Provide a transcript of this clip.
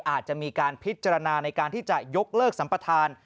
อาจจะมีการพิจารณาในการที่จะยกเลิกสัมปทาน